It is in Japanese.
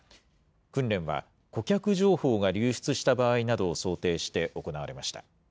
訓練は、顧客情報が流出した場合などを想定して行われました。